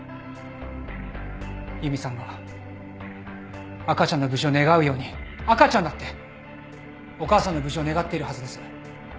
由美さんが赤ちゃんの無事を願うように赤ちゃんだってお母さんの無事を願っているはずです。